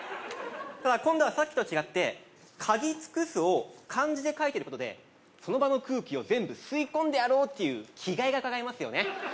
ただ今度はさっきと違って嗅ぎ尽くすを漢字で書いてることでその場の空気を全部吸い込んでやろうっていう気概がうかがえますよね